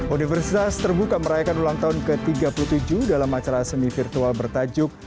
universitas terbuka merayakan ulang tahun ke tiga puluh tujuh dalam acara seni virtual bertajuk